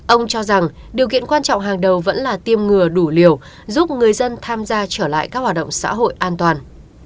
ông cho rằng điều kiện quan trọng hàng đầu vẫn là tiêm ngừa đủ liều giúp người dân tham gia trở lại các hoạt động xã hội an toàn